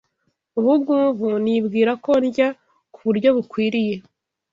Ubungubu nibwira ko ndya ku buryo bukwiriye,